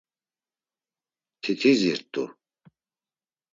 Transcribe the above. Titizirt̆u.